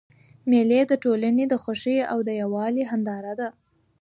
مېلې د ټولني د خوښۍ او یووالي هنداره ده.